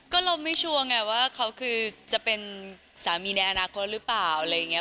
ก็เราไม่ชัวร์ไงว่าเขาคือจะเป็นสามีในอนาคตหรือเปล่าอะไรอย่างนี้